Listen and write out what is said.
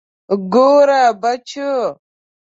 ګوره بچو.